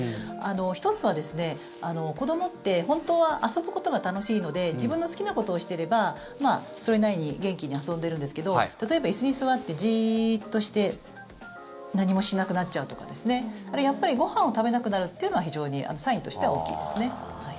１つはですね、子どもって本当は遊ぶことが楽しいので自分の好きなことをしていればそれなりに元気に遊んでるんですけど例えば椅子に座ってじっとして何もしなくなっちゃうとかですねやっぱりご飯を食べなくなるというのは非常にサインとしては大きいですね。